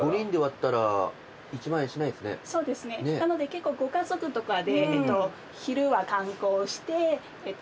結構ご家族とかで昼は観光して。